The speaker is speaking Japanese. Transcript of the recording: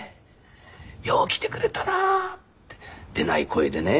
よう来てくれたな」って出ない声でね